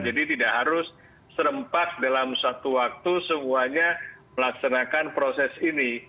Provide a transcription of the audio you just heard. jadi tidak harus serempak dalam suatu waktu semuanya melaksanakan proses ini